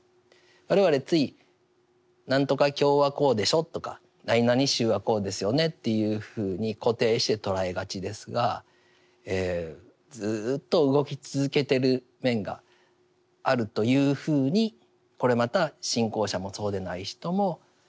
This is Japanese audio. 我々つい何とか教はこうでしょとかなになに宗はこうですよねっていうふうに固定して捉えがちですがずっと動き続けている面があるというふうにこれまた信仰者もそうでない人も見ていった方がいい。